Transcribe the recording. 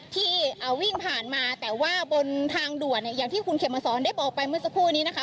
ที่วิ่งผ่านมาแต่ว่าบนทางด่วนเนี่ยอย่างที่คุณเขมสอนได้บอกไปเมื่อสักครู่นี้นะคะ